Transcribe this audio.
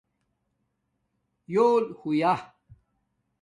بُول ہویا